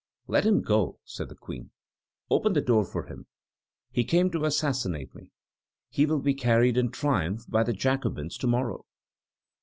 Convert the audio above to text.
"Let him go," said the Queen. "Open the door for him; he came to assassinate me; he will be carried in triumph by the Jacobins to morrow."